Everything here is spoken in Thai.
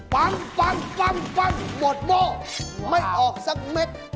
ปั๊มปั๊มปั๊มปั๊มหมดโม่ไม่ออกสักเม็ด